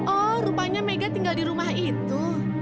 oh rupanya mega tinggal di rumah itu